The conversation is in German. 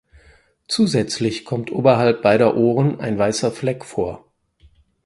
Zusätzlich kommt oberhalb beider Ohren ein weißer Fleck vor.